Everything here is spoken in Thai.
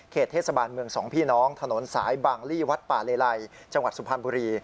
เทศบาลเมืองสองพี่น้องถนนสายบางลี่วัดป่าเลไลจังหวัดสุพรรณบุรี